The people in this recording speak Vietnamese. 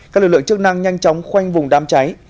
các lực lượng chức năng nhanh chóng khoanh vùng đám cháy